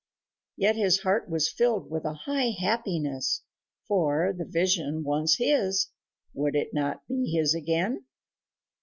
Yet his heart was filled with a high happiness, for, the vision once his, would it not be his again?